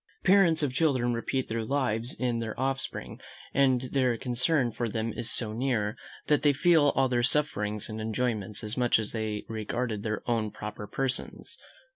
Parents of children repeat their lives in their offspring; and their concern for them is so near, that they feel all their sufferings and enjoyments as much as if they regarded their own proper persons.